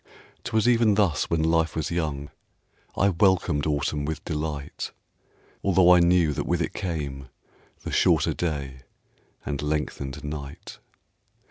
'Twas even thus when life was young, I welcomed Autumn with delight; Although I knew that with it came The shorter day and lengthened night.